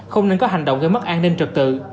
không nên có hành động gây mất an ninh trực tự